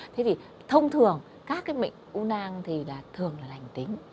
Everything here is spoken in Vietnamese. thế thì thông thường các cái mệnh u nang thì thường là lành tính